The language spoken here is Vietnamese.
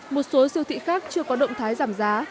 một số siêu thị khác chưa có động thái giảm giá